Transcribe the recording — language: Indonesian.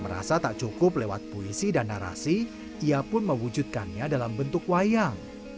merasa tak cukup lewat puisi dan narasi ia pun mewujudkannya dalam bentuk wayang